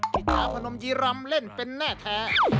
ที่ตาพนมยิรัมย์เล่นเป็นแน่แท้